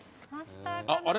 あれ？